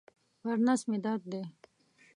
پر نس مي درد دی.